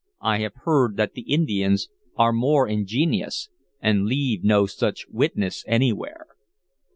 I have heard that the Indians are more ingenious, and leave no such witness anywhere."